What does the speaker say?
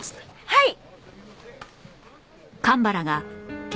はい！